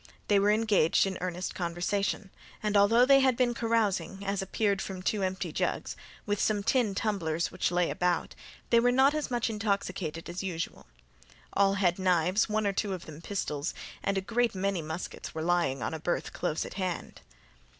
They were engaged in earnest conversation; and although they had been carousing, as appeared from two empty jugs, with some tin tumblers which lay about, they were not as much intoxicated as usual. All had knives, one or two of them pistols, and a great many muskets were lying in a berth close at hand.